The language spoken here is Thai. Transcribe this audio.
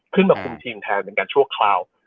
ขึ้นมาคุมทีมแทนเป็นการชั่วคราว